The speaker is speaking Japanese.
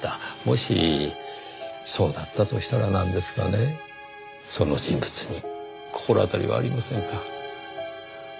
もしそうだったとしたらなんですがねその人物に心当たりはありませんか？